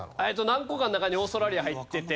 何個かの中にオーストラリア入ってて。